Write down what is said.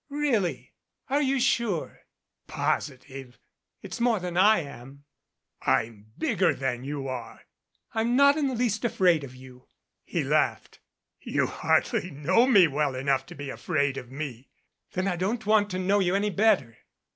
"Really! Are you sure?" "Positive !" "It's more than I am." "I'm bigger than you are." "I'm not in the least afraid of you." He laughed. "You hardly know me well enough to be afraid of me." "Then I don't want to know you any better."